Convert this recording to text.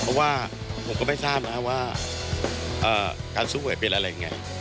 เพราะว่าผมก็ไม่ทราบนะครับว่าการสู้หวยเป็นอะไรไง